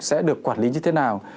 sẽ được quản lý như thế nào